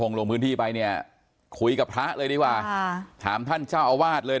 ลงโรงพื้นที่ไปหน้าคุยกับพระเลยดีกว่าอาหารท่านจ้าวาดเลย